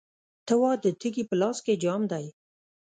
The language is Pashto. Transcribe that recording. ته وا، د تږي په لاس کې جام دی